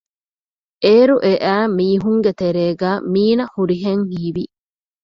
އޭރު އެއައި މީހުންގެތެރޭގައި މީނަ ހުރިހެން ހީވި